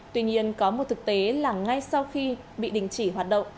tuy nhiên có một thực tế là ngay sau khi bị đình chỉ hoạt động